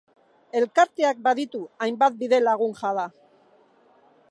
Elkarteak baditu hainbat bidelagun jada.